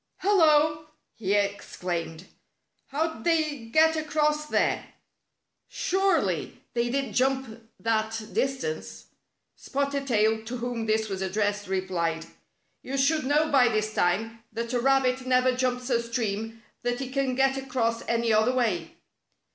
" Hello 1" he exclaimed. ^'How'd they get across there? Surely, they didn't jump that dis tance." Spotted Tail, to whom this was addressed, re plied :'' You should know by this time that a rabbit never jumps a stream that he can get across any other way."